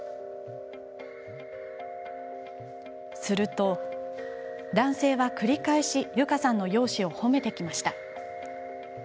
すると、男性は繰り返しゆかさんの容姿を褒めてきました。